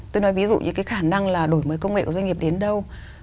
tôi nói ví dụ như cái khả năng là đổi mới công nghệ của doanh nghiệp đến đâu